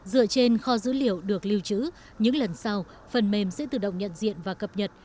dựa trên kho dữ liệu được lưu trữ những lần sau phần mềm sẽ tự động nhận diện và cập nhật